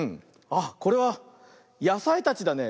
あっこれはやさいたちだね。